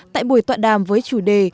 tại buổi tọa đàm với chủ đề